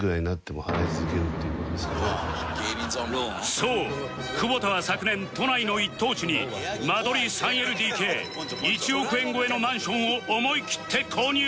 そう久保田は昨年都内の一等地に間取り ３ＬＤＫ１ 億円超えのマンションを思い切って購入！